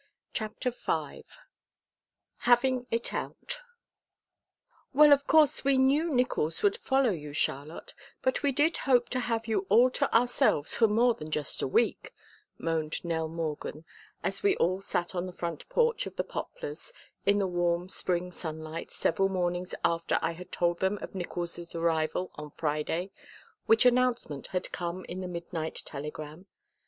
CHAPTER V HAVING IT OUT "Well, of course, we knew Nickols would follow you, Charlotte, but we did hope to have you all to ourselves for more than just a week," moaned Nell Morgan, as we all sat on the front porch of the Poplars in the warm spring sunlight several mornings after I had told them of Nickols' arrival on Friday, which announcement had come in the midnight telegram.